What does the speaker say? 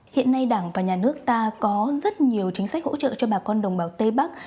hiện nay đảng và nhà nước ta có rất nhiều chính sách hỗ trợ cho bà con đồng bào tây bắc